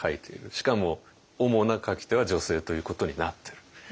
しかもおもな書き手は女性ということになってる。